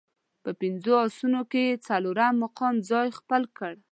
په پنځو اسونو کې یې څلورم مقام خپل کړ.